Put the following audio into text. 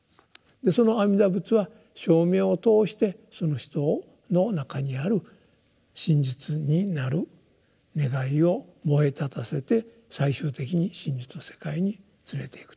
その阿弥陀仏は称名を通してその人の中にある真実になる願いを燃え立たせて最終的に真実の世界に連れていくと。